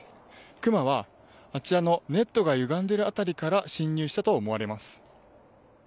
クマはネットがゆがんでいる辺りから侵入したと思われます。